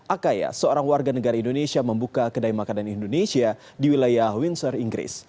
akaya seorang warga negara indonesia membuka kedai makanan indonesia di wilayah windsor inggris